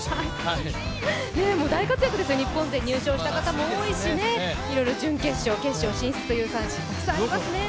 大活躍ですね、日本勢、入賞した方も多いですしいろいろ準決勝、決勝進出というのたくさんありますね。